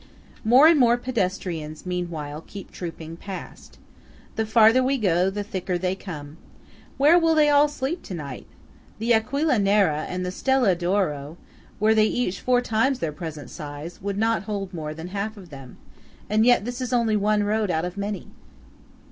More and more pedestrians, meanwhile, keep trooping past. The farther we go, the thicker they come. Where will they all sleep to night? The Aquila Nera and the Stella d'Oro, were they each four times their present size, would not hold more than half of them; and yet this is only one road out of many.